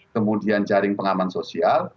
kemudian jaring pengaman sosial